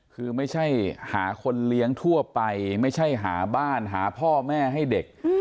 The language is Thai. คือไม่ใช่หาคนเลี้ยงทั่วไปไม่ใช่หาบ้านหาพ่อแม่ให้เด็ก